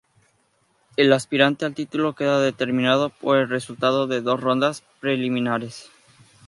El aspirante al título queda determinado por el resultado de dos rondas preliminares.